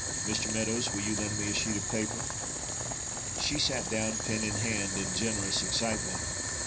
Mr. Meadows, will you lend me a sheet of paper?" She sat down, pen in hand, in generous excitement.